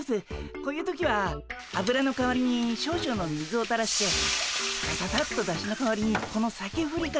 こういう時は油の代わりに少々の水をたらしてさささっとだしの代わりにこのさけふりかけをちょちょっと。